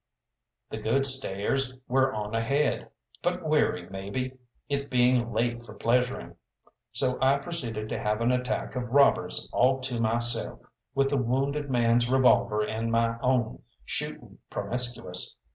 The good stayers were on ahead, but weary maybe, it being late for pleasuring. So I proceeded to have an attack of robbers all to myself, with the wounded man's revolver and my own, shooting promiscuous.